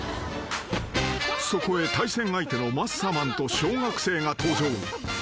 ［そこへ対戦相手のマッサマンと小学生が登場］